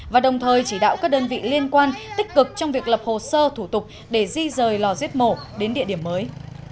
và đồng thời chỉ đạo các đơn vị liên quan tích cực trong việc lập hồ sơ thủ tục để di rời lò giết mổ đến địa điểm mới